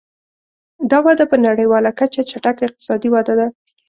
دا وده په نړیواله کچه چټکه اقتصادي وده ده.